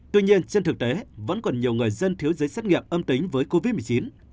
tuy nhiên trên thực tế vẫn còn nhiều người dân thiếu giấy xét nghiệm âm tính với covid một mươi chín